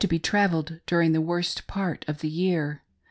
be travelled during the worst part of the year.